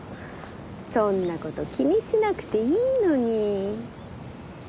そんな事気にしなくていいのに。